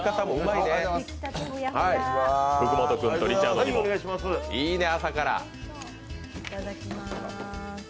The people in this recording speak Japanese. いいね、朝から。